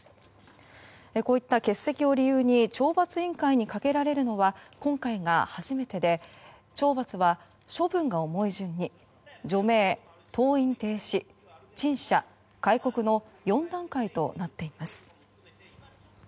こういった欠席を理由に懲罰委員会にかけられるのは今回が初めてで懲罰は処分が重い順に除名、登院停止、陳謝、戒告の４段階となっています。